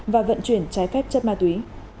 và vận chuyển trái phép chất ma túy